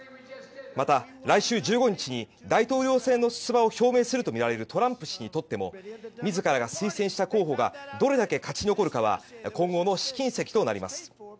また、来週１５日に大統領選の出馬を表明するとみられるトランプ氏にとっても自らが推薦した候補がどれだけ勝ち残るかどうかは今後の試金石となります。